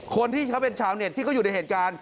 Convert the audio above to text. คนที่เขาเป็นชาวเน็ตที่เขาอยู่ในเหตุการณ์